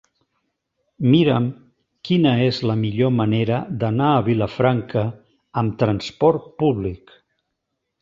Mira'm quina és la millor manera d'anar a Vilafranca amb transport públic.